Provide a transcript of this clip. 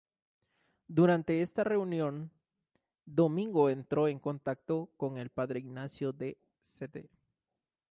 Durante esta reunión Domingo entró en contacto con el padre Ignacio de St.